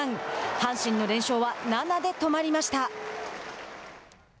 阪神の連勝は７で止まりました。